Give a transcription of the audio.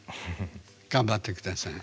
頑張って下さい。